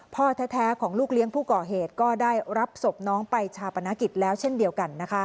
พ่อแท้ของลูกเลี้ยงผู้ก่อเหตุก็ได้รับศพน้องไปชาปนกิจแล้วเช่นเดียวกัน